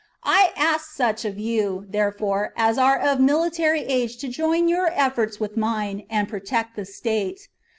I ask such of you, therefore, as are of military age to join your efforts with mine, and protect the state.